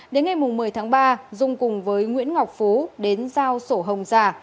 đến ngày một mươi tháng ba dung cùng với nguyễn ngọc phú đến giao sổ hồng giả